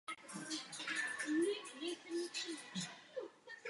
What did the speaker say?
Hrabě Karel Chotek nechal přistavět další patro.